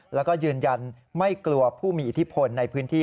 แล้วก็ยืนยันไม่กลัวผู้มีอิทธิพลในพื้นที่